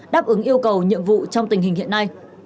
đáp ứng yêu cầu nhiệm vụ trong tình hình hiện nay